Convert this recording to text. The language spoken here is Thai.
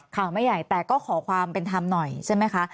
ข่าวไม่ใหญ่แต่ก็ขอความเป็นธรรมหน่อยใช่ไหมคะ